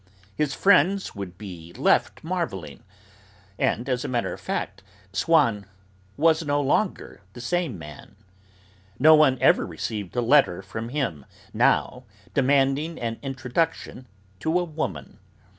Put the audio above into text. His friends would be left marvelling, and, as a matter of fact, Swann was no longer the same man. No one ever received a letter from him now demanding an introduction to a woman.